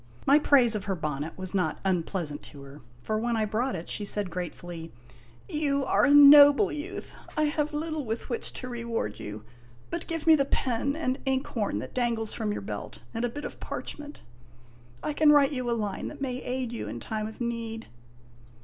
My praise of her bonnet was not unpleasant to her, for when I brought it she said gratefully :" You are a noble youth. I have little with which to reward you ; but give me the pen and inkhorn that dangles from your belt, and a THE WINNING OF VANELLA 115 bit of parchment. I can write you a line that may aid you in time of need."